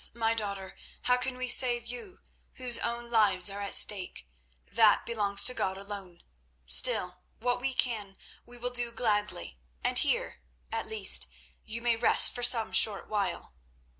my daughter, how can we save you, whose own lives are at stake? That belongs to God alone. Still, what we can we will do gladly, and here, at least, you may rest for some short while.